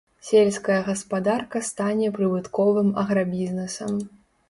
Сельская гаспадарка стане прыбытковым аграбізнэсам.